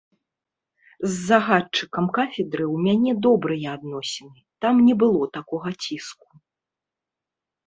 З загадчыкам кафедры ў мяне добрыя адносіны, там не было такога ціску.